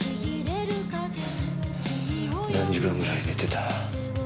何時間ぐらい寝てた？